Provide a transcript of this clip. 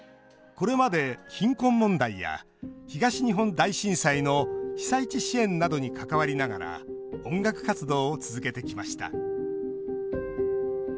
これまで、貧困問題や東日本大震災の被災地支援などに関わりながら音楽活動を続けてきました。